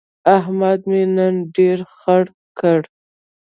احمد مې نن ډېر خړ کړ.